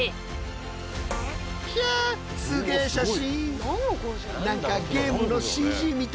ひゃすげえ写真！